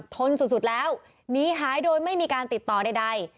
ทนสุดแล้วหนีหายโดยไม่มีการติดต่อใด